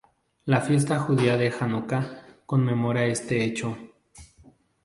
La fiesta judía de Janucá conmemora este hecho.